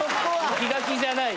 気が気じゃない。